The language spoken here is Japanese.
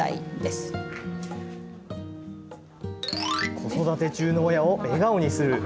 子育て中の親を笑顔にする。